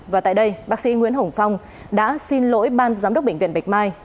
và tại đây bác sĩ nguyễn hồng phong đã xin lỗi ban giám đốc bệnh viện bạch mai